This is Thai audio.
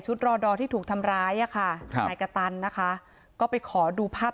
ชุดที่ถูกทำร้ายอ่ะค่ะใหม่กะตันนะคะก็ไปขอดูภาพ